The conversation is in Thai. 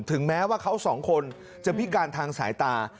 แม้ว่าเขาสองคนจะพิการทางสายตา